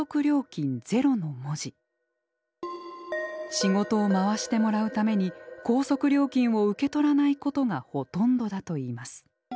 仕事を回してもらうために高速料金を受け取らないことがほとんどだといいます。